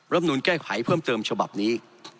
นูลแก้ไขเพิ่มเติมฉบับนี้